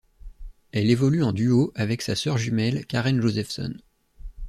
Elle évolue en duo avec sa sœur jumelle Karen Josephson.